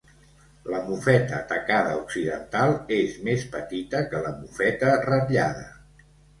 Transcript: La mofeta tacada occidental és més petita que la mofeta ratllada.